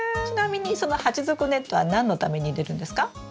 ちなみにその鉢底ネットは何のために入れるんですか？